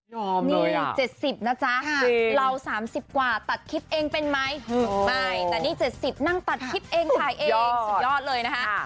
นี่๗๐นะจ๊ะเรา๓๐กว่าตัดคลิปเองเป็นไหมไม่แต่นี่๗๐นั่งตัดคลิปเองถ่ายเองสุดยอดเลยนะคะ